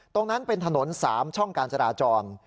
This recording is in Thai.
ตรงนั้นเป็นถนน๓ช่องการจราจร